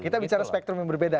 kita bicara spektrum yang berbeda